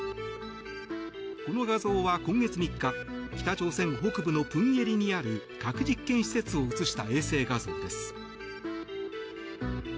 この画像は今月３日北朝鮮北部のプンゲリにある核実験施設を映した衛星画像です。